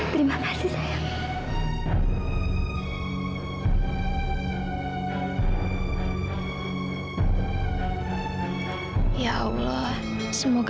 terima kasih sayang